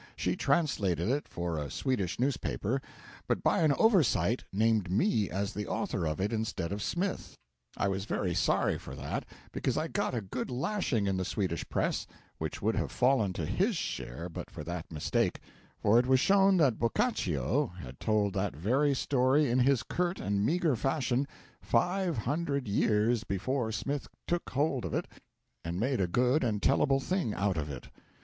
She translated it for a Swedish newspaper, but by an oversight named me as the author of it instead of Smith. I was very sorry for that, because I got a good lashing in the Swedish press, which would have fallen to his share but for that mistake; for it was shown that Boccaccio had told that very story, in his curt and meagre fashion, five hundred years before Smith took hold of it and made a good and tellable thing out of it.